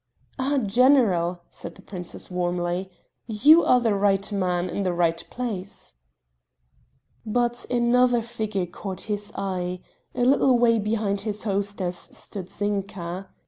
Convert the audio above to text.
"Ah, General!" said the princess warmly, "you are the right man in the right place." But another figure caught his eye a little way behind his hostess stood Zinka.